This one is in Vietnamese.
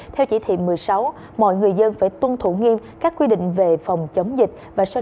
theo chỉ thị một mươi sáu mọi người dân phải tuân thủ nghiêm các quy định về phòng chống dịch và sơ